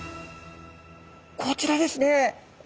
こちらですね！